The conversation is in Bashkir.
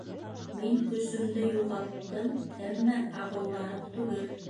— Мин көсөмдө юғалттым, әммә ағыуланып түгел.